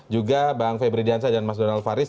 juga bang febri diansyah dan mas donald faris